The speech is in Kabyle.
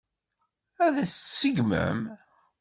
Ad tt-tseggmem?